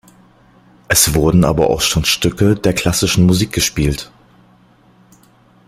Es wurden aber auch schon Stücke der klassischen Musik gespielt.